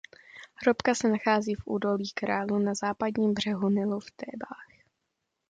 Hrobka se nachází v Údolí Králů na západním břehu Nilu v Thébách.